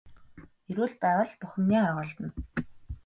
Эрүүл байвал бүх юмны арга олдоно.